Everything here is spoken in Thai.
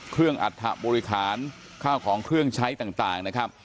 เครื่องอัดถะบริคารข้าวของเครื่องใช้ต่างนะครับ